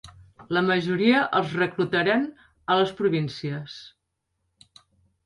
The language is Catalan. La majoria els reclutaren a les províncies.